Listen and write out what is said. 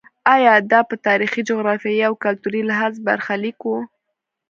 ایا دا په تاریخي، جغرافیایي او کلتوري لحاظ برخلیک و.